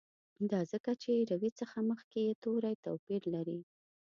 دا ځکه چې روي څخه مخکي یې توري توپیر لري.